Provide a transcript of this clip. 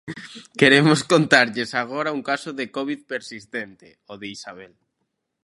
Queremos contarlles agora un caso de covid persistente: o de Isabel.